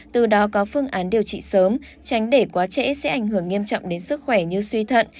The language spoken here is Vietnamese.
từ đó có phương án điều trị sớm tránh để quá trẻ sẽ ảnh hưởng nghiêm trọng đến sức khỏe như suy thận